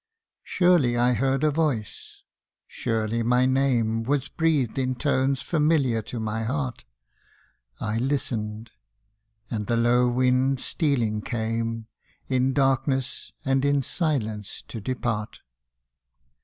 SUEELY I heard a voice surely my name Was breathed in tones familiar to my heart ! I listened and the low wind stealing came, In darkness and in silence to depart.